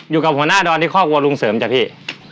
อ๋ออยู่กับหัวหน้าดอนที่ความกลัวรุงเสริมจ้ะพี่